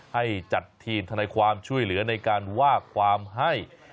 ให้จัดทีมทนายความช่วยเหลือในการว่าความให้